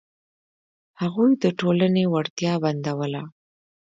هغوی د ټولنې وړتیا بندوله.